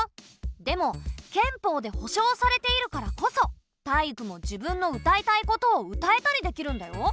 でも憲法で保障されているからこそタイイクも自分の歌いたいことを歌えたりできるんだよ。